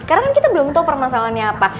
karena kita belum tau permasalahannya apa